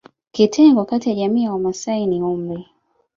Kitengo kati ya jamii ya Wamasai ni umri